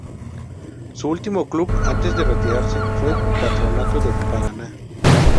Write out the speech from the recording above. Su último club antes de retirarse fue Patronato de Paraná.